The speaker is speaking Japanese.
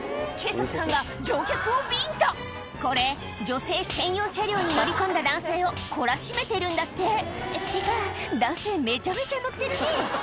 警察官が乗客をビンタこれ女性専用車両に乗り込んだ男性を懲らしめてるんだってってか男性めちゃめちゃ乗ってるね